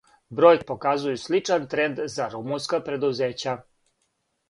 Бројке показују сличан тренд за румунска предузећа.